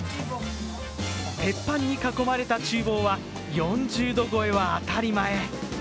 鉄板に囲まれたちゅう房は４０度超えは当たり前。